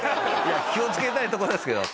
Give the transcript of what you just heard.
気をつけたいとこですけど。